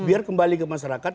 biar kembali ke masyarakat